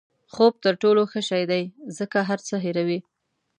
خوب تر ټولو ښه شی دی ځکه هر څه هیروي.